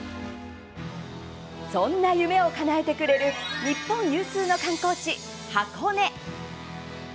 そんな夢をかなえてくれる日本有数の観光地、箱根。